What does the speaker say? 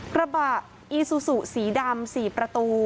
กระบะอีซูซูสีดำ๔ประตู